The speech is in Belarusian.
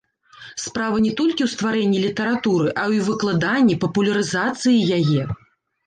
Справа не толькі ў стварэнні літаратуры, а і ў выкладанні, папулярызацыі яе.